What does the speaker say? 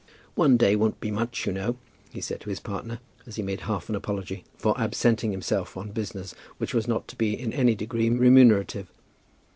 "One day won't be much, you know," he said to his partner, as he made half an apology for absenting himself on business which was not to be in any degree remunerative.